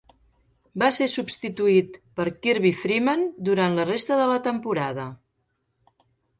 Va ser substituït per Kirby Freeman durant la resta de la temporada.